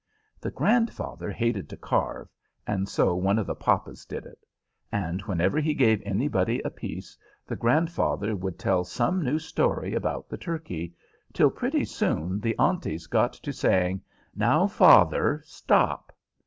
The grandfather hated to carve, and so one of the papas did it; and whenever he gave anybody a piece, the grandfather would tell some new story about the turkey, till pretty soon the aunties got to saying, "Now, father, stop!"